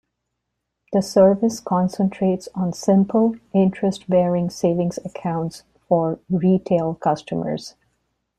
The service concentrates on simple interest-bearing savings accounts for retail customers.